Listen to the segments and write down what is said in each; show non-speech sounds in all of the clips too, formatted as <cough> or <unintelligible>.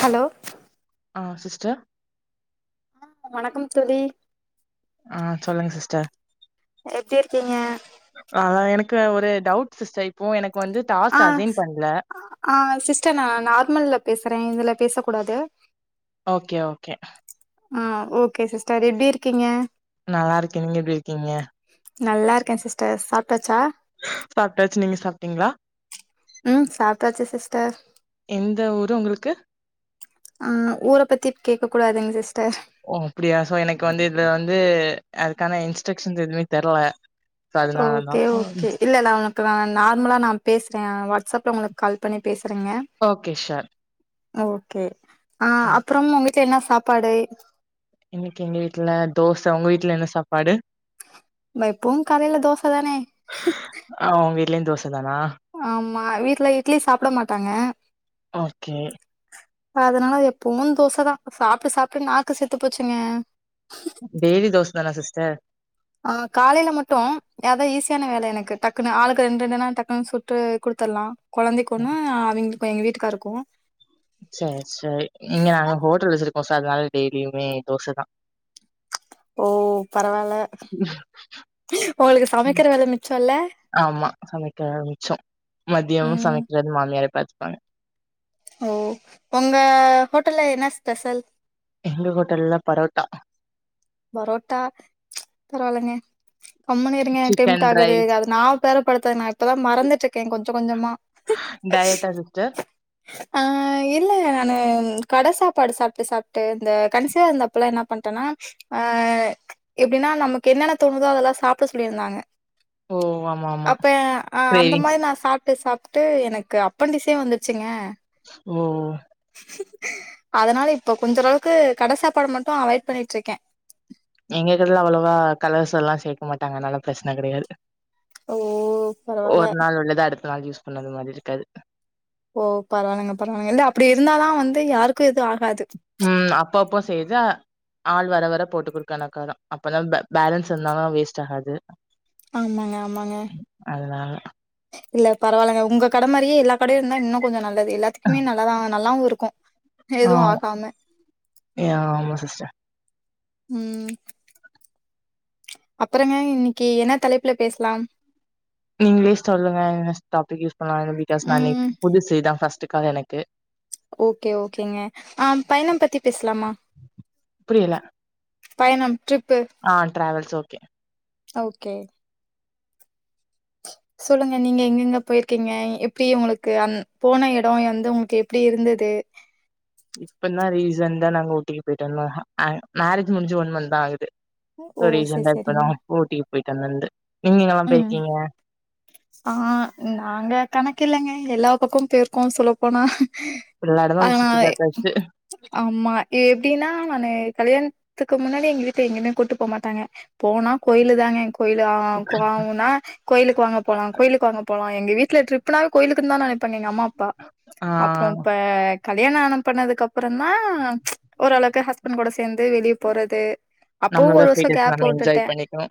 Hello ஆ sister வணக்கம் தோழி ஆ சொல்லுங்க சிஸ்டர் எப்டி இருக்கீங்க ஆ அதான் எனக்கு ஒரு டவுட் சிஸ்டர் இப்ப எனக்கு வந்து ஆ டாஸ்க் அசைன் பண்ணல ஆ சிஸ்டர் நா நார்மல்ல பேசுற இதுல பேசக்கூடாது ஓகே ஓகே ஆ ஓகே சிஸ்டர் எப்டி இருக்கீங்க நல்லா இருக்கேன் நீங்க எப்படி இருக்கீங்க நல்லா இருக்கேன் சிஸ்டர் சாப்ட்டாச்சா சாப்ட்டாச்சு நீங்க சாப்ட்டீங்ளா ம் சாப்ட்டாச்சி சிஸ்டர் எந்த ஊரு உங்களுக்கு ஆ ஊர பத்தி கேக்க கூடாதுங்க சிஸ்டர் ஓ அப்டியா சோ எனக்கு வந்து இதுல வந்து அதுக்கான இன்ஸ்ட்ரக்ஷன்ஸ் எதுவுமே தெர்ல சோ ஓகே அதனாலதான் ஓகே இல்ல நா க்லா நார்மலா நா பேசுறே வாட்ஸ்அப்ல உங்களுக்கு கால் பண்ணி பேசுறேங்க ஓகே ஷோர் ஓகே அ அப்புறம் உங்க வீட்ல என்ன சாப்பாடு இன்னக்கி எங்க வீட்ல தோச உங்க வீட்ல என்ன சாப்பாடு ம எப்பவு காலல தோச தானே ஆ உங்க வீட்லையு தோச தானா ஆமா வீட்ல இட்லி சாப்ட மாட்டாங்க ஓகே அதனால எப்பவு தோச தா சாப்ட்டு சாப்ட்டு நாக்கு செத்து போச்சிங்க டேய்லி தோச தானா சிஸ்டர் ஆ காலையில மட்டு அதா ஈஸியான வேல எனக்கு டக்குன்னு ஆளுக்கு ரெண்டு ரெண்டு நா டக்குன்னு சுட்டு குடுத்தர்லா கொழந்தைக்கு ஒன்னு அவ்ங்க எங்க வீட்டுகாருக்கூ சேரி சேரி இங்க நாங்க ஹோட்டல் வச்சிருக்கோ சோ அதனால டெய்லியுமே தோச தா ஓ பரவால்ல ஒங்களுக்கு சமைக்கற வேலமிச்சொல்ல ஆமா சமைக்க வேலமிச்சோ மதியமும் ம் சமைக்கறது மாமியாரே பாத்துப்பாங்க ஓ ஒங்க ஹோட்டல்ல என்ன ஸ்பெஷல் எங்க ஹோட்டல்ல பரோட்டா பரோட்டா பரவால்லங்க கம்முனு இருங்க டெம்ட் சிக்கன் ஆகுது ரைஸ் அது நா பேரப்படுத்த நா இப்பதா மறந்துட்ருக்கே கொஞ்ச கொஞ்சமா டயட்டா சிஸ்டர் ஆ இல்ல நானு கட சாப்பாடு சாப்ட்டு சாப் ட்டு இந்த கண்சிவா இருந்த அப்பலா என்னா பண்டேனா ஆ எப்டின்னா நமக்கு என்னென்ன தோணுதோ அதெல்லா சாப்ட சொல்லிருந்தாங்க ஓ ஆமா ஆமா அப்ப அ அந்த கிரேவிங்ஸ் மாரி நா சாப்ட்டு சாப் ப்ட்டு எனக்கு அப்பண்டிசே வந்துருச்சுங்க ஓ அதனால இப்ப கொஞ்ச அளவுக்கு கட சாப்பாட மட்டு அவாய்ட் பண்ணிட்ருக்கே எங்க கடையில அவ்வளவா கலர்ஸ் எல்லா சேக்க மாட்டாங்க அதனால பிரச்சன கடையாது ஓ! பரவால்ல. ஒரு நாள் உள்ளது அடுத்த நாள் யூஸ் பண்ணது மாரி இருக்காது ஓ பரவால்லங்க பரவால்லங்க இல்ல அப்டி இருந்தாதா வந்து யாருக்கு எது ஆகாது ம் அப்ப அப்போ செய்த ஆள் வர வர போட்டு குடுக்கானாக்காரம் அப்பனா பேலன்ஸ் இருந்தாலு வேஸ்ட் ஆகாது ஆமாங்க ஆமாங்க அதனால இல்ல பரவால்லங்க உங்க கட மாரியே எல்லா கடையு இருந்தா இன்னு கொஞ்சோ நல்லது எல்லாத்துக்குமே நல்லாதா நல்லாவு இருக்கூ ஆ எதுவு ஆகாம ம் ஆமா சிஸ்டர் அப்பறங்க இன்னைக்கி என்ன தலைப்புல பேசலாம் நீங்களே சொல்லுங்க என்ன டாப்பிக் யூஸ் பண்லா பிகாஸ் நானு ம். புதுசு இது தான் ஃபர்ஸ்ட்டு கால் எனக்கு ஓகே ஓகேங்க ஆ பயணம் பத்தி பேஸ்லாமா புரியல பயணம் ட்ரிப்பு ஆ டிராவல்ஸ் ஓகே ஓகே சொல்லுங்க நீங்க எங்கெங்க போயிக்கீங்க எப்டி உங்களுக்கு அந் போன எடோ வந்து உங்குளுக் எப்பிடி இருந்தது இப்பதா ரீசன்டா நாங்க ஊட்டிக்கி போயிட்டு வந்தோ மேரேஜ் முடிஞ்சி ஒன் மந்தாகுது ஓ! இப்போ சரி, ரீசன்டா சரிங்க. இப்பதா ஊட்டி போயிட்டு வந்தந்து நீங்க எங்கல்லா ம். போய்ருக்கீங்க ஆ நாங்க கணக்கில்லங்க எல்லா பக்கோ போயிருக்கோ சொல்ல போனா எல்லா ஆ எடமு சுத்தி பாத்தாச்சு ஆமா எப்டின்னா நானு கல்யாணத்துக்கு முன்னாடி எங்க வீட்ல எங்கயுமே கூட்டு போகமாட்டாங்க போனா கோயிலு தாங்க கோயிலு போனாங்கனா கோயிலுக்கு வாங்க போலா கோயிலுக்கு வாங்க போலா எங்க வீட்ல ட்ரிப்னா கோயிலுக்கு தா நனப் ப எங்க அம்மாப்பா ஆ அப்புறோ இப்ப கல்யாணோ ஆன பண்ணதுக்கு அப் அப்புறமா ஓரளவுக்கு ஹஸ்பண்ட் கூட சேந்து வெளியே போறது அப்போ நம்மளோட ஒரு ஃப்ரீ வருஷோ டயத்த கேப் நம்ம என்ஜாய் உட்டுட்டே பண்ணிக்கணு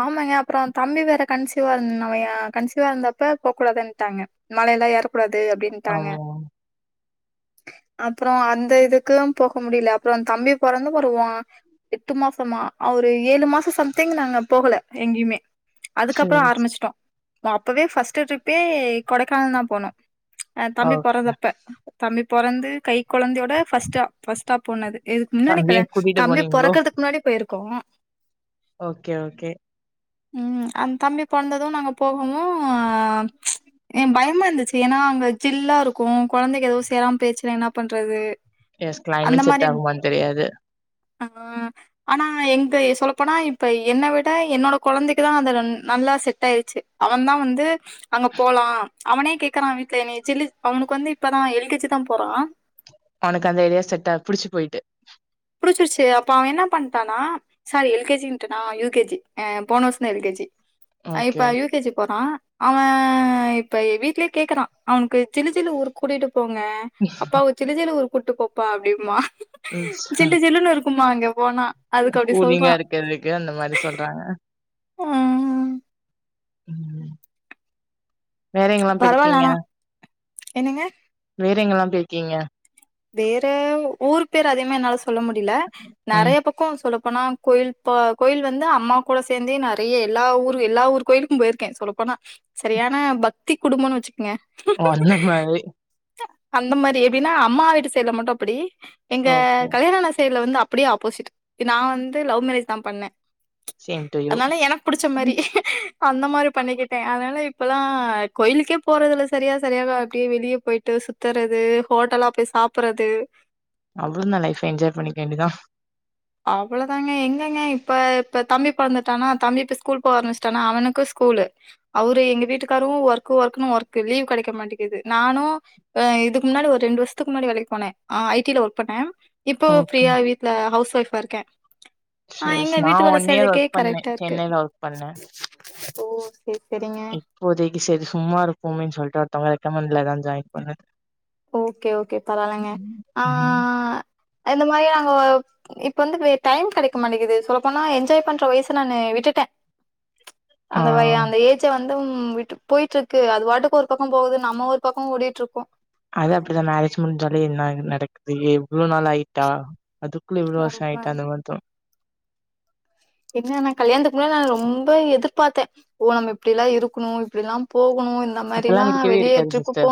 ஆமாங்க அப்புறோ தம்பி வேற கணிசிவா இருந்தனாவயா கணிசிவா இருந்தப்ப போக் கூடாதுன்ட்டாங்க மலையெல்லா ஏறக்கூடாது அப்டின்ட்டாங்க ஆமா அப்புறோ அந்த இதுக்குலா போக முடியல அப்புறோ தம்பி பொறந்து வருவோ எட்டு மாசமா ஒரு ஏழு மாசோ சம்திங் நாங்க போகல எங்கேயுமே சேரி அதுக்கப்புற ஆரம்பிச்சட்டோ அப்பவே ஃபர்ஸ்ட் ட்ரிப்பே கொடைக்கானல் தா போனோ தம்பி ஓகே பொறன்தப்ப தம்பி பொறந்து கை கொழந்தையோட ஃபர்ஸ்ட்டா ஃபர்ஸ்ட்டா போனது இதுக்கு முன்னாடி கூட தம்பியு கூட்டிட்டு தம்பி போனீங்களோ பொறக்கறதுக்கு முன்னாடி போயிருக்கோ ஓகே ஓகே ம் அந்த தம்பி பொறாந்தது நாங்க போகமு எ பயமாருந்துச்சு ஏன்னா அங்க ஜில்லாருக்கு கொழந்தைக்கி ஏதோ சேராம பேயிருச்சுன்னா என்னா பண்றது எஸ் அந்த கிளைமேட் மாரி செட்டாகுமான் தெரியாது ஆ ஆனா எங்க சொல்லப்போனா இப்ப என்ன வி ட்டா என்னோட கொழந்தைக்கிதா அது நல்லா செட்டாயிருச்சு அவ தா வந்து அங்க போலா அவனே கேக்கறா வீட்ல இ செல்லி அவனுக்கு வந்து இப்பதா எல் கே ஜி தா போறா அவனுக்கு அந்த ஏரியா செட்டா புடிச்சு போயிட்டு புடிச்சிருச்சு அப்ப அவ என்ன பண்ணிட்டானா சாரி எல் கே ஜிட்டுன்னா யூ‌ கே ஜி போன வருஷோ தா எல் கே ஜி ஓகே இப்ப யூ கே ஜி போறா அவே இப்ப வீட்லயே கேக்கறா அவனுக்கு ஜிலு ஜிலு ஊரு கூட்டிட்டு போங்க அப்பா ஜிலு ஜிலு ஊரு கூட்டுப்போப்பா அப்படிம்பா ம் சா ஜில்லுன்னு இருக்குமா அங்க போனா அதுக்கு அப்டி கூலிங்கா சொல்றா இருக்கறதுக்கு அந்த மாரி சொல்றாங்க ஆ ம் ம் வேற எங்கல்லா பரவால்ல போயிருக்கீங்க ஆனா என்னங்க வேற எங்கெல்லா போயிருக்கீங்க வேற ஊர் பேர் அதிகமா என்னால சொல்ல முடியல ம் நறைய பக்கோ சொல்லப்போனா கோயில் ப கோயில் வந்து அம்மா கூட சேர்ந்தே நறைய எல்லா ஊர் எல்லா ஊர் கோயிலுக்கு போயிருக்கே சொல்லப்போனா சரியான பக்தி குடும்போன்னு வச்சுக்கங்க ஓ அந்த மாரி அந்த மாரி எப்டின்னா அம்மா வீட்டு செய்டுல மட்டு அப்புடி எங்க ஓகே கல்யாணோ ஆன செய்டுல வந்து அப்டியே ஆப்போசிட் நா வந்து லவ் மேரேஜ் தா பண்ணே சேம் டு யூ அதனால எனக்கு பிடிச்ச மாதிரி அந்த மாதிரி பண்ணிக்கிட்டே அதனால இப்பலா கோயிலுக்கே போறதுல்ல சரியா சரியாக அப்டியே வெளியே போயிட் டு சுத்துறது ஹோட்டலா போய் சாப்புடுறது அவ்வுளந்தா லைஃப்ப என்ஜாய் பண்ணிக்க வேண்டியதா அவ்வளோதாங்க எங்கங்க இப்ப இப்ப தம்பி பொறந்துட்டானா தம்பி இப்ப ஸ்கூல் போவ ஆரம்பிச்சுட்டானா அவனுக்கு ஸ்கூலு அவரு எங்க வீட்டுக்காரோ ஒர்க்கு ஒர்க்குன்னு ஒர்க்கு லீவு கெடைக்க மாட்டேங்கிது நானோ ஆ இதுக்கு முன்னாடி ஒரு ரெண்டு வருஷத்துக்கு முன்னாடி வேலைக்கு போனே ஆ ஐ டில ஒர்க் பண்ணே இப்போ ஓகே ஃபிரியா வீட்ல ஹவுஸ் ஒய்ஃபா இருக்கே ஆ சேரி எங்க நா வீட்டு வேல ஒன் இயர் செய்றதுக்கே ஒர்க் பண்ணே கரெக்டா இருக்கு சென்னைல ஒர்க் பண்ணே ஓ செரி செரிங்க இப்போதைக்கு செரி சும்மா இருக்குமேனு சொல்ட்டு ஒருத்தவங்க ரெக்கமண்ட்லதா ஜாயின் பன்னது ஓகே ஓகே பரவாலைங்க ஆ ம் இந்த மாதிரி அங்க இப்ப வந்து வே டைம் கெடைக்க மாட்டேங்குது சொல்லப்போனா என்ஜாய் பண்ற வயசு நானு விட்டுட்டே ஆ அந்த வய அந்த ஏஜ் ஏஜ்ஜும் வந்து விட்டு போயிட்டு இருக்கு அது வாட்டுக்கு ஒரு பக்கோ போவுது நம்ம ஒரு பக்கோ ஓடிட்டு இருக்கோ அது அப்புடிதா மேரேஜ் முஞ்சாலே என்ன நடக்குது எவ்வளவு நாளாயிட்டா அதுக்குள்ள இவ்ளோ வர்ஷோ ஆமா ஆயிட்டா அந்தமாரி தோ என்ன நா கல்யாணத்துக்கு முன்னால நா ரொம்போ எதிர்பார்த்தே ஓ நம்ம இப்புடிலா இருக்கணோ இப்புடிலா போகணோ அதெல்லா இருக்கவே இருக்காது சிஸ்டர்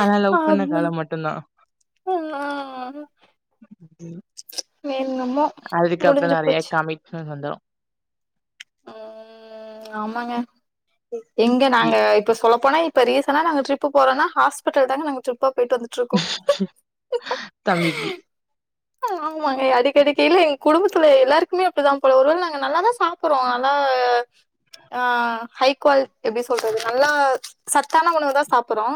அதல்லா லவ் பண்ண காலம் மட்டுந்தா ம் நா அதுக்கப்புறோ முடிஞ்சு நறைய போச்சு கமிட்மெண்ட் வந்துடோ ம் ஆமாங்க எங்க நாங்க இப்ப சொல்ல போனா இப்ப ரீசன்டா நாங்க ட்ரிப் போறோனா ஹாஸ்பிடல்தாங்க நா ட்ரிப்பா போயிட்டு வந்து தம்பிக்கு ம் ஆமாங்க அடிக்கடிக்கி இல்ல எங்க குடும்பத்துல எல்லாருக்குமே அப்புடிதா போல ஒருவேல நாங்க நல்லாதா சாப் புறோ ஆனா ஆ ஹை குவாலிட்டி எப்டி சொல்றது நல்லா சத்தான உணவு தா சாப்புறோ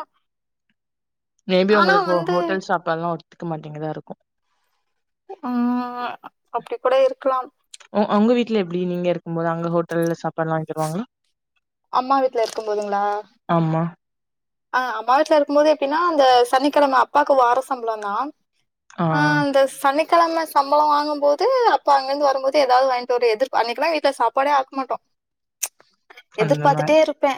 மே பி ஆனா உங்குளுக்கு ஹோ வந்து ஹோட்டல் சாப்பாடுலா ஒத்துக்க மாட்டேங்குதா இருக்கோ ம் அப்டி கூட இருக்கலாம் உ உங்க வீட்ல எப்டி நீங்க இருக்கும் போது அங்க ஹோட்டல்ல சாப்பாடுலா வாங்கி தருவாங்கலா அம்மா வீட்ல இருக்கும் போதுங்குளா ஆமா அ அம்மா வீட்ல இருக்கும்போது எப்டீன்னா அந்த சனிக்கெழம அப்பாக்கு வார சம்பளோந்தா ஆ அந்த சனிக் கெழம சம்பளோ வாங்கும்போது அப்ப அங்கிருந்து வரும்போது ஏதாவது வாங்கிட்டு ஒரு எதிர்ப்பா அன்னிக்குலா வீட்ல சாப்பாடே ஆக்க மாட்டோ அந்த மாரி எதிர்பாத்துட்டே இருப்பே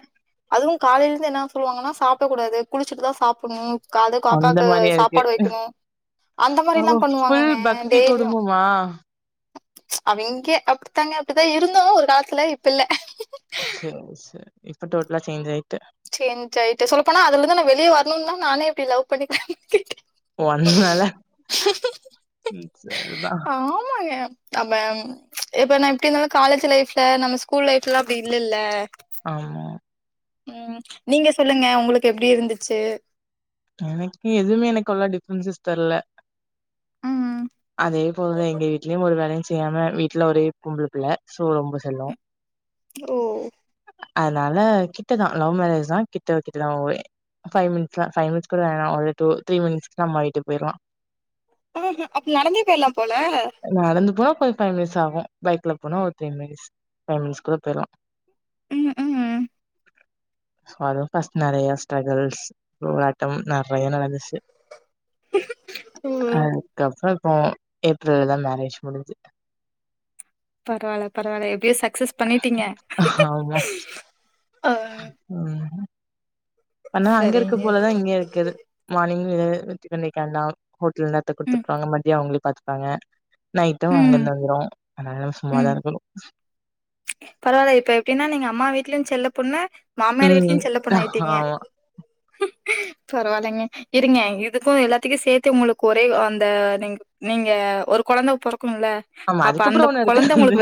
அதுவு காலைல இர்ந்து என்ன சொல்லுவாங்கனா சாப்புடக் கூடாது குளிச்சுட்டுதா சாப்புட்ணோ கால்ல அந்த காக்காக்கு மாரியா இருக்கு. சாப்பாடு வெக்கணோ அந்த ஓ! மாரிலா ஃபுல் பண்ணுவாங்கங்க பக்தி டெய்லியு குடும்பமா? அவிங்க அப்டித்தாங்க அப்டித்தா இருந்தோ ஒரு காலத்துல இப்ப இல்ல செரி செரி இப்ப டோட்டலா சேஞ்சாயிட்ட சேஞ்சாயிட்ட சொல்லப்போனா அதுல இருந்து நா வெளிய வர்ணோந்தா நானே இப்டி லவ் பண்ணி பண்ணிக்கிட்டே ஓ! அதனால ம் சரிதான். ஆமாங்கே அப்ப இப்ப நா எப்டி இருந்தாலு காலேஜ் லைஃப்ல நம்ம ஸ்கூல் லைஃப்லா அப்டி இல்லல்ல ஆமா ம் நீங்க சொல்லுங்க உங்களுக்கு எப்படி இருந்துச்சு எனக்கு எதுவுமே எனக்கு அவ்ளோவா டிஃப்ரென்சஸ் தெர்ல ம் அதே போலதா எங்க வீட்லயு ஒரு வேலையு செய்யாம வீட்ல ஒரே பொம்பளப்பிள்ள சோ ரொம்ப செல்லோ ஓ அதனால கிட்டதா லவ் மேரஜ் தா கிட்ட கிட்டதா ஓலே ஃபைவ் மினிட்ஸ்தா ஃபைவ் மினிட்ஸ் கூட வேணா ஒரு டூ த்ரீ மினிட்ஸ் அம்மா வீட்டுக்கு போயிறலா குளுருது அப்ப நடந்தே போயிடலாம் போல நடந்து போனா ஒரு ஃபைவ் மினிட்ஸ் ஆகு பைக்ல போனா ஒரு த்ரீ மினிட்ஸ் ஃபைவ் மினிட்ஸ் குல்ல போய்டலா ம் ம் சோ அது பஸ்னா நறைய ஸ்ட்ரகுல்ஸ் <unintelligible> நறைய நடந்துச்சு ஓ அதுக்குப்புறம் ம் ஏப்ரல தா மேரேஜ் முடிஞ்சு பரவாயில்ல பரவாயில்ல எப்டியோ சக்சஸ் பண்ணிட்டீங்க ஆமா. ஆ ம் ஆனா அங்க இருக்க சரிங்க போலதா சிஸ்டர் இங்க இருக்குது மார்னிங்கு வித்துதண்ணிக்கண்டாம் ஹோட்டலந்து எத்து குடுத்து ம் உட்டுவாங்க மதியோ அவுங்களே பாத்துப்பாங்க நைட்டும் ம் அங்கந்து வந்துரு அதனால சும்மதா இருக்கனு பரவாயில்ல இப்ப எப்டின்னா நீங்க அம்மா வீட்லயு செல்ல பொண்ணு மாமியார் ம். வீட்லயு செல்ல பொண்ணா ஆமா. ஆயிட்டீங்க <inaudible> பரவாயில்லைங்க இருங்க இதுக்கு எல்லாத்துக்கு சேத்து உங்களுக்கு ஒரே அந்த நீங் நீங்க ஒரு கொழந்த போறக்கும்ல ஆமா அதுக்குப்புறோ ஒண்ணு இருக்காது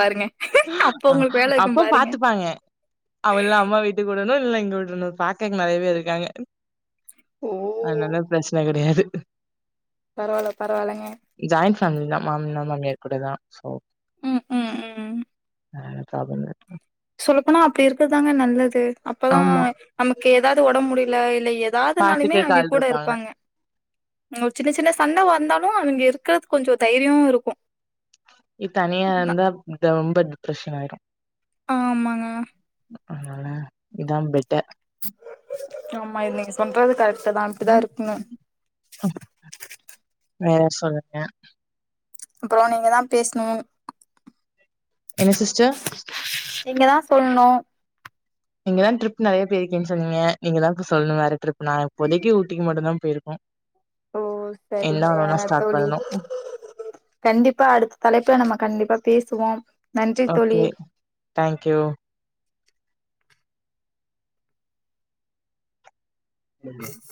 பாருங்க அப்ப அ உங்களுக்கு வேல வைக்கும் அப்ப பாருங்க பாத்துப்பாங்க அவல்லாம் அம்மா வீட்டுக்கு விடணு இல்ல இங்க விடனு பாக்கதுக்கு நறைய பேர் இருக்காங்க ஓ அதுனலா பிரச்சன கடையாது பரவாயில்ல பரவாயில்லங்க ஜாயின்ட் ஃபேமிலி தா மாமனார் மாமியார் கூட தா சோ ம் ம் ம் ஆ சாப்பட்ற நேரத்துக்கு சொல்லப்போனா அப்டி இருக்குறதாங்க நல்லது அப்பதா ஆமா. நமக்கு ஏதாவது ஒடம்பு முடியல இல்ல எதாவதுனாலுமே பாத்துக்கறக்கு அவைங்க ஆள் கூட இருப்பாங்க ஓ சின்ன சின்ன சண்ட வந்தாலு அவைங்க இருக்கிறதுக்கு கொஞ்சோ தைரியோ இருக்கு இது தனியா ந இருந்தா ரொம்ப டிப்ரஷன் ஆயிரு ஆமாங்க அதுனால இதா பெட்டர் ஆமா நீங்க சொல்றது கரெக்ட தா அப்டிதா இருக்குன்னு ம் வேற சொல்லுங்க அப்புறோ நீங்க தா பேசணு என்ன சிஸ்டர் நீங்க தா சொல்ணு நீங்கதான் ட்ரிப் நறைய போயிருக்கேனு சொன்னிங்க நீங்கதா ட்ரிப் நறைய போய் இருக்க சொன்னீங்க நீங்க தா இப்ப சொல்லு வேற ட்ரிப் நா இப்பதைக்கு ஊட்டிக்கு மட்டுதா போயிருக்கோ ஓ சரிங்க ஸ்டார்ட் தோழி பண்ணணும். கண்டிப்பா அடுத்த தலைப்புல நம்ம கண்டிப்பா பேசுவோ ஓகே தேங்க்யூ <inaudible>